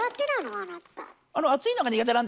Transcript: あなた。